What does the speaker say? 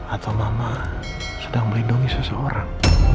atau mama sedang melindungi seseorang